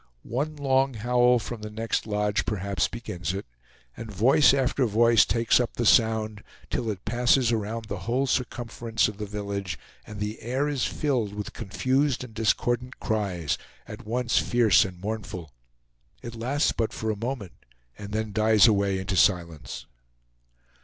One long loud howl from the next lodge perhaps begins it, and voice after voice takes up the sound till it passes around the whole circumference of the village, and the air is filled with confused and discordant cries, at once fierce and mournful. It lasts but for a moment and then dies away into silence.